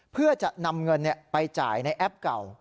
เพื่อจะนำเงินไปจ่ายในแอปเก่า